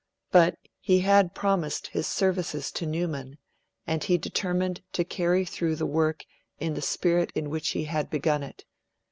But he had promised his services to Newman, and he determined to carry through the work in the spirit in which he had begun it.